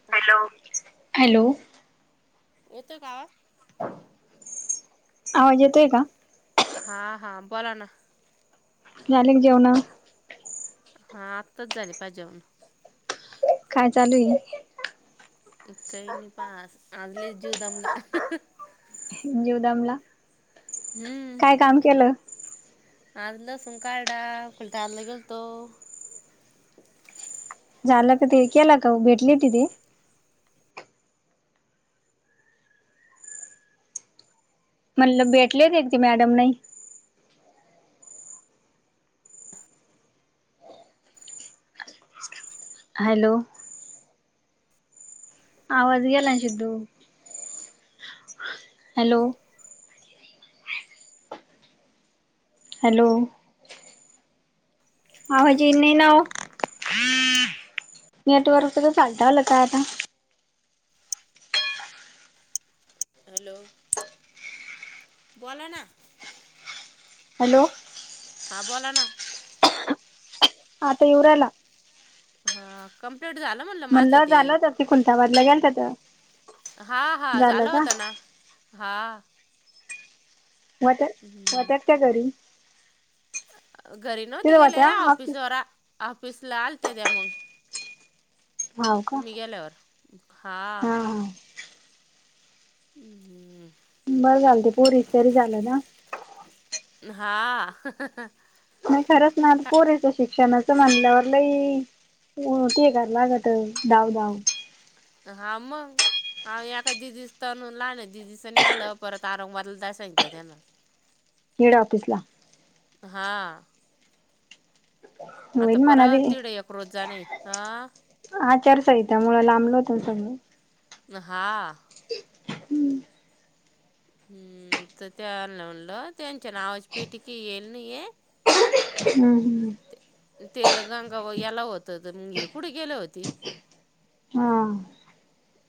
ओ hello, hello येतोय का आवाज? आवाज येतोय का? हा हा, बोला ना झाली का जेवण? हा आत्ताच झाली, पाय जेवण. काय चालू ये? काही नाही पा, आज लईच जीव दमला. जीव दमला, हम्म. काय काम केलं? आज लसूून काडला, कुलताबादला गेलतो. झालं का ते, केला का ओ, भेटली हुती ती? म्हणल भेटलेली काय ती मॅडम नाही. हॅलो आवाज गेलाय सिद्धु, हॅलो हॅलो आवाज येई नाय ना ओ नेटवर्क तर चालता, आल का आता? हॅलो, बोला ना. हॅलो हा, बोला ना आता, येऊ राहिला. हा कंप्लिट झाल म्हणलं. माझं म्हणलं ते. झालं तर तिकून खुंलताबादला गेलत्या त्या. हां हां, झालं होतं ना. हां. म त्या, म त्याच्या घरी. अ घरी नव्हती तिथं गेले, होत्या ऑफिस ऑफिसवर, ऑफिसला आलत्या त्या मग. हाव का मी गेल्यावर. हा. ऊ हम. बरं झाल ते, पोरीस तरी झालं ना. हा. नाही खरंच ना, आत पोरीचं शिक्षणाचं म्हनल्यावर लई म ठीक आहे, लागत धाव धाव. हा मग. अहो [unintelligible] लहान्या दीदीचं नाही आलं, परत आरंगबादला जाय सांगितलं त्यांना. हेड ऑफिसला. हां. आता होईल म्हणा ते परत तिडे एक रोज जाणे आहे. हं. आचारसहिता मुळं लांबल होतं सगळं. हां. हम्म त त्यांना म्हणल, त्यांच्या नावाची पेटी काय येल नई ये. हम्म हम्. ते गंगा व याला होत. [unintelligible] कुठे गेले होती? हां.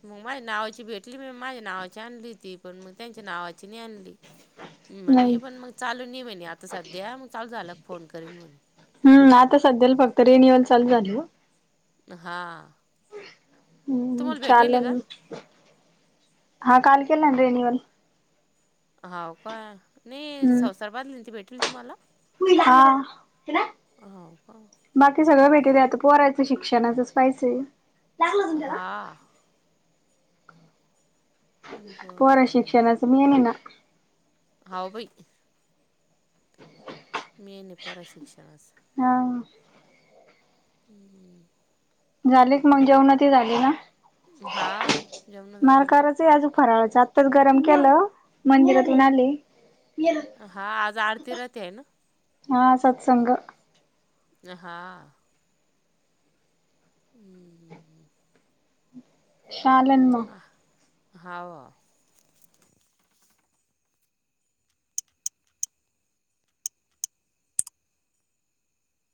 मग माझ्या नावाची भेटली बई, माझ्या नावाची आणली ती. पण मग त्यांच्या नावाची नाही आणली. [inaudible] म्हणे पण मग चालू नाही म्हणे आता सध्या, मग चालू झालं का फोन करन म्हणे. हम्, आता सध्याला फक्त रीनेवल चालू झाले ओ. हा. [unintelligible] तुम्हाला भेटेल का हा काल केला रीनीवल. हम्म [unintelligible] [unintelligible] हाव का? बाकी सगळं भेटी रया, आता पोरांचं शिक्षणाचच पाहिचय. हा. पोरा बरं. शिक्षणाचं मेन आहे ना. हाव बई. मेन आहे, पोराच शिक्षणाचं. हम. हू हू. झाली क मग? जेवण ती झाली ना? हा जेवणं झाले नाय ना. काराचय अजून. फराळाचं आत्ताच गरम केलं. मंदिरातून आली. हा आज आरती राहाते, हाय ना? हा सत्संग. हा. हम्. शालन म हा व.